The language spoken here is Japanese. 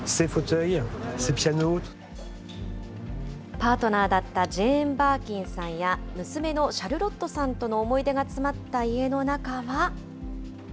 パートナーだったジェーン・バーキンさんや、娘のシャルロットさんとの思い出が詰まった家の中は。